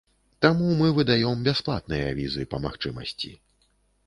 Таму мы выдаём бясплатныя візы па магчымасці.